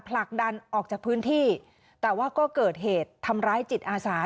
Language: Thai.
ผลักดันออกจากพื้นที่แต่ว่าก็เกิดเหตุทำร้ายจิตอาสา